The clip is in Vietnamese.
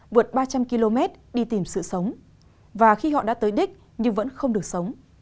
vượt ba trăm linh km đi tìm sự sống và khi họ đã tới đích nhưng vẫn không được sống